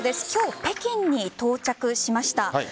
今日、北京に到着しました。